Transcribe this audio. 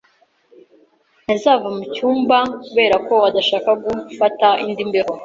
Ntazava mucyumba, kubera ko adashaka gufata indi mbeho.